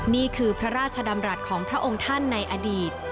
นี่คือพระราชดำรัฐของพระองค์ท่านในอดีต